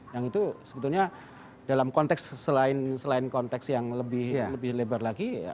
yang itu sebetulnya dalam konteks selain konteks yang lebih lebar lagi